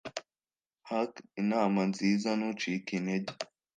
hark! inama nziza - ntucike intege